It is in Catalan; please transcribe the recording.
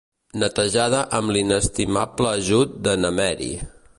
Netejada amb l'inestimable ajut de na Meri.